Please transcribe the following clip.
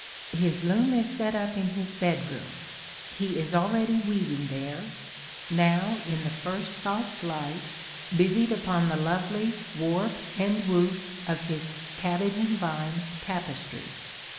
His loom is set up in his bedroom : he is already weaving there, — now, in the first soft light, busied upon the lovely warp and woof of his "cabbage and vine" tapestry.